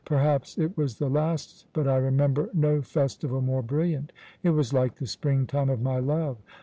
Perhaps it was the last, but I remember no festival more brilliant. It was like the springtime of my love.